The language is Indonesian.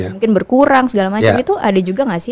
mungkin berkurang segala macam itu ada juga nggak sih